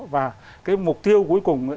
và cái mục tiêu cuối cùng